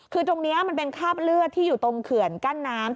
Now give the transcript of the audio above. คือตรงนี้มันเป็นคราบเลือดที่อยู่ตรงเขื่อนกั้นน้ำ